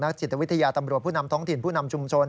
จิตวิทยาตำรวจผู้นำท้องถิ่นผู้นำชุมชน